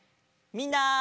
みんな。